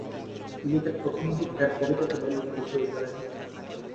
তিনি তার প্রথমদিককার কবিতাগুলো লিখতে শুরু করেন।